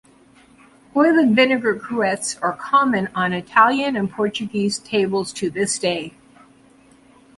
Oil and vinegar cruets are common on Italian and Portuguese tables to this day.